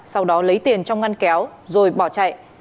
sau đó lấy tiền trong ngăn kéo rồi bỏ chạy